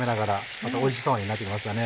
またおいしそうになりましたね。